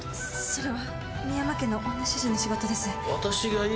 それは深山家の女主人の仕事です。